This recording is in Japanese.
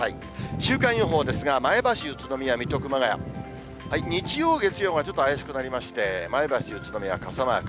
週間予報ですが、前橋、宇都宮、水戸、熊谷、日曜、月曜がちょっと怪しくなりまして、前橋、宇都宮、傘マーク。